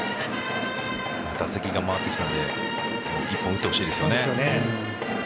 打席が回ってきたので打ってほしいですね。